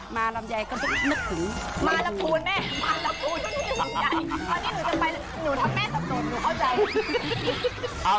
มาลำไยก็ต้องนึกถึงเษรเจ้าอ